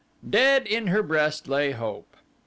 Dead in her breast lay hope.